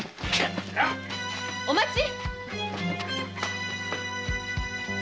お待ち！